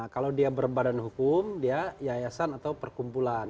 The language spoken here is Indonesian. kalau dia berbadan hukum dia yayasan atau perkumpulan